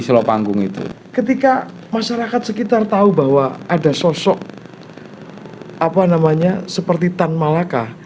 silo panggung itu ketika masyarakat sekitar tahu bahwa ada sosok apa namanya seperti tan malaka